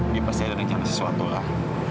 dia pasti ada rencana sesuatu lah